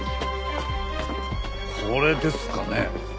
これですかね？